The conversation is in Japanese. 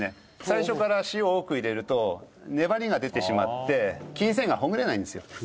最初から塩を多く入れると粘りが出てしまって筋繊維がほぐれないんですよ。